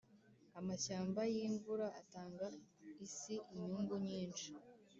amashyamba yimvura atanga isi inyungu nyinshi.